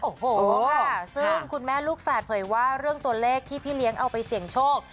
โอ้โหค่ะซึ่งคุณแม่ลูกแฝดเผยว่าเรื่องตัวเลขที่พี่เลี้ยงเอาไปเสี่ยงโชค